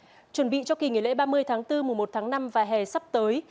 chuẩn bị cho kỳ nghỉ lễ ba mươi tháng bốn mùa một tháng năm và hè sắp tới